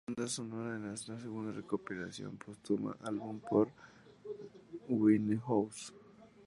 La banda sonora es la segunda recopilación póstuma álbum por Winehouse.